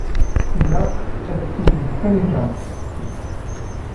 Ilaq ad siwlemt kan i Jean.